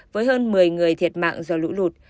với hơn một mươi người thiệt mạng do lũ lụt